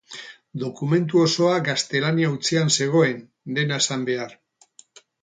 Dokumentu osoa gaztelania hutsean zegoen, dena esan behar.